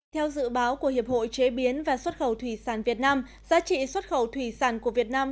theo dự báo của hiệp hội chế biến và xuất khẩu thủy sản việt nam giá trị xuất khẩu thủy sản của việt nam